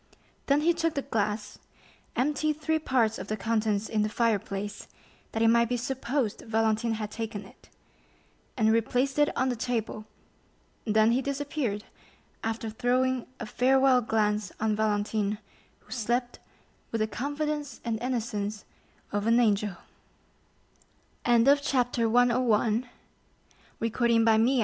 Then he took the glass, emptied three parts of the contents in the fireplace, that it might be supposed Valentine had taken it, and replaced it on the table; then he disappeared, after throwing a farewell glance on Valentine, who slept with the confidence and innocence of an angel at the feet of the Lord. Chapter 102. Val